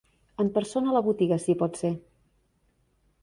En persona a la botiga si pot ser.